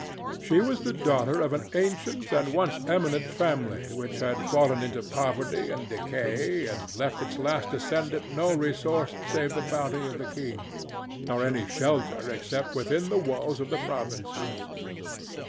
She was the daughter of an ancient and once eminent family which had fallen into poverty and decay and left its last descendant no resource save the bounty of the king, nor any shelter except within the walls of the province house.